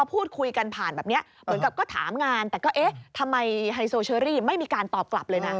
พูดคุยกันผ่านแบบนี้เหมือนกับก็ถามงานแต่ก็เอ๊ะทำไมไฮโซเชอรี่ไม่มีการตอบกลับเลยนะ